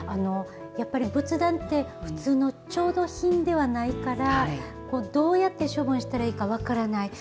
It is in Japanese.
やっぱり、仏壇って、普通の調度品ではないから、どうやって処分したらいいか分からない。